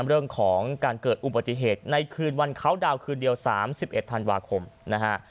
เรื่องของการเกิดอุบัติเหตุในคืนวันเขาดาวน์คืนเดียว๓๑ธันวาคมนะฮะ